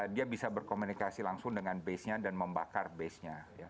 dia bisa berkomunikasi langsung dengan basenya dan membakar basenya